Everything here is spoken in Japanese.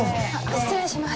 失礼します。